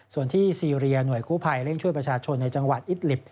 ส่วนที่ซีเรียหน่วยกู้ภัยเร่งช่วยประชาชนในจังหวัดอิตลิป